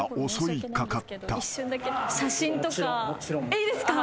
いいですか？